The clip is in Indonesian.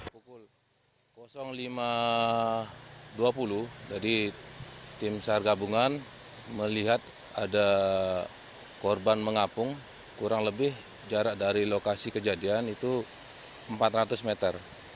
pukul lima dua puluh jadi tim sar gabungan melihat ada korban mengapung kurang lebih jarak dari lokasi kejadian itu empat ratus meter